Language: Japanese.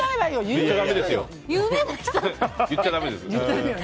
言っちゃだめですよ。